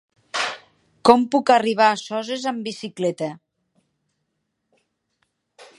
Com puc arribar a Soses amb bicicleta?